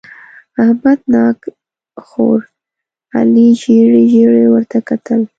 احمد ناک خوړ؛ علي ژېړې ژېړې ورته کتل.